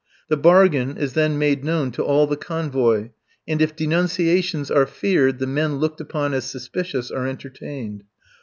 The bargain is then made known to all the convoy, and if denunciations are feared, the men looked upon as suspicious are entertained.